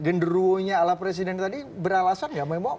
genderuonya ala presiden tadi beralasan nggak